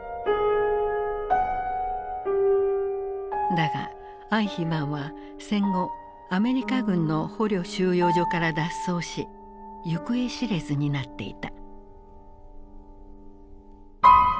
だがアイヒマンは戦後アメリカ軍の捕虜収容所から脱走し行方知れずになっていた。